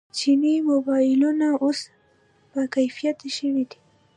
چیني موبایلونه اوس باکیفیته شوي دي.